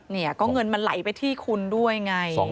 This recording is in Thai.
เนี่ยก็เงินมันไหลไปที่คุณด้วยไง